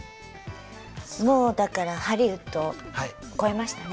もうだからハリウッドを超えましたね。